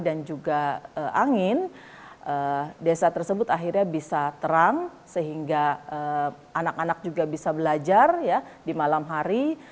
dan juga angin desa tersebut akhirnya bisa terang sehingga anak anak juga bisa belajar ya di malam hari